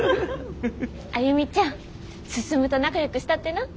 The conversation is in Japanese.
歩ちゃん進と仲良くしたってな。